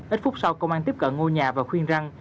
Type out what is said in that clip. ít phút sau công an tiếp cận ngôi nhà và khuyên răng